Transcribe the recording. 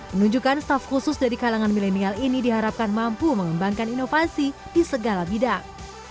menunjukkan staff khusus dari kalangan milenial ini diharapkan mampu mengembangkan inovasi di segala bidang